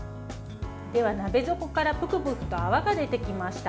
鍋底からぷくぷくと泡が出てきました。